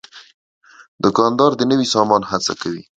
دوکاندار د نوي سامان هڅه کوي.